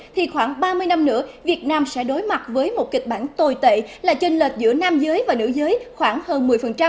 thì khoảng ba mươi năm nữa việt nam sẽ đối mặt với một kịch bản tồi tệ là chênh lệch giữa nam giới và nữ giới khoảng hơn một mươi